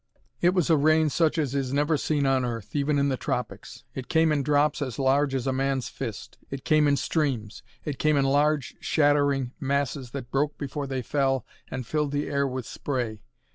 It was a rain such as is never seen on Earth, even in the tropics. It came in drops as large as a man's fist. It came in streams. It came in large, shattering masses that broke before they fell and filled the air with spray.